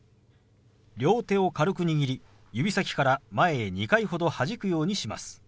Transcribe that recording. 両手を軽く握り指先から前へ２回ほどはじくようにします。